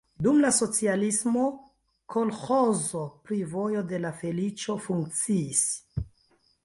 Dum la socialismo kolĥozo pri "Vojo de la Feliĉo" funkciis.